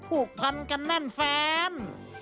ผูกพันกันแน่นแฟน